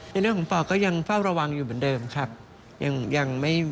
ในเรื่องของปอดก็ยังเฝ้าระวังอยู่เหมือนเดิมครับ